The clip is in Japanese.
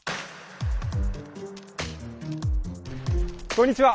こんにちは！